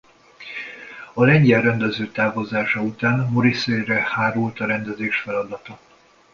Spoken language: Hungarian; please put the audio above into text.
A lengyel rendező távozása után Morrissey-re hárult a rendezés feladata.